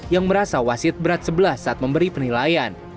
yang merasa wasit berat sebelah saat memberi penilaian